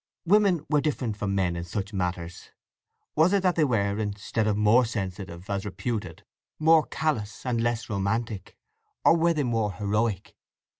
Women were different from men in such matters. Was it that they were, instead of more sensitive, as reputed, more callous, and less romantic; or were they more heroic?